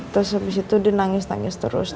terus abis itu dia nangis nangis terus